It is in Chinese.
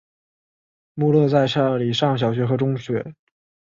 穆勒在这里上小学和中学。